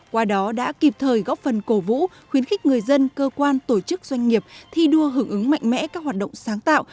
qua đó đã kịp thời góp phần cổ vũ khuyến khích người dân cơ quan tổ chức doanh nghiệp thi đua hưởng ứng mạnh mẽ các hoạt động sáng tạo